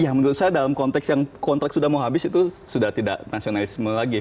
ya menurut saya dalam konteks yang kontrak sudah mau habis itu sudah tidak nasionalisme lagi